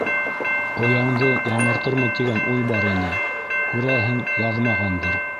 Ояңды яңыртырмын тигән уй бар ине, күрәһең, яҙмағандыр.